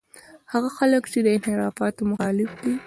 هغه خلک چې د انحرافاتو مخالف دي.